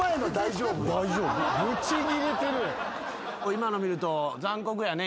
今の見ると残酷やね。